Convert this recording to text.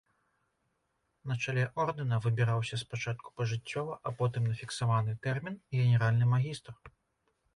На чале ордэна выбіраўся спачатку пажыццёва, а потым на фіксаваны тэрмін генеральны магістр.